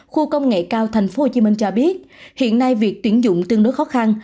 khu công nghệ cao tp hcm cho biết hiện nay việc tuyển dụng tương đối khó khăn